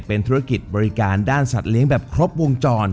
เป็นธุรกิจบริการด้านสัตว์เลี้ยงแบบครบวงจร